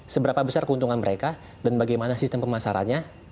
seberapa besar keuntungan mereka dan bagaimana sistem pemasarannya